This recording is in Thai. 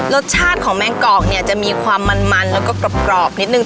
รสชาติของแมงกอกเนี่ยจะมีความมันแล้วก็กรอบนิดนึง